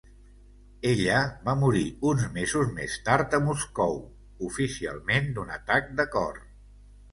Ella va morir uns mesos més tard a Moscou, oficialment d'un atac de cor.